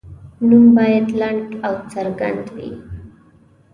نوم باید لنډ او څرګند وي.